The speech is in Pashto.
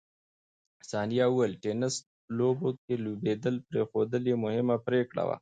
ثانیه وویل، ټېنس لوبو کې لوبېدل پرېښودل یې مهمه پرېکړه وه.